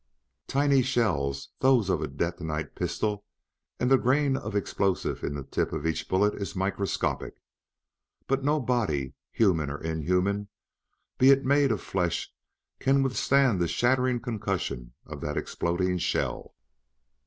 Tiny shells, those of a detonite pistol, and the grain of explosive in the tip of each bullet is microscopic. But no body, human or inhuman, be it made of flesh, can withstand the shattering concussion of that exploding shell.